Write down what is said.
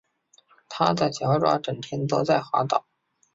他的脚爪整天都在滑倒